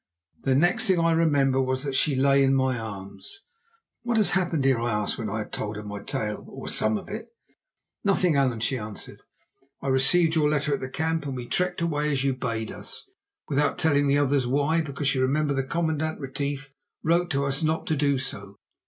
The next thing I remember was that she lay in my arms. "What has happened here?" I asked when I had told my tale, or some of it. "Nothing, Allan," she answered. "I received your letter at the camp, and we trekked away as you bade us, without telling the others why, because you remember the Commandant Retief wrote to us not to do so.